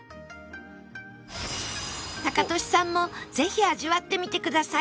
タカトシさんもぜひ味わってみてください！